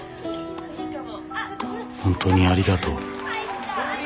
「本当にありがとう」